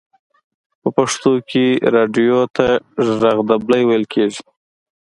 په پښتو کې رادیو ته ژغ ډبلی ویل کیږی.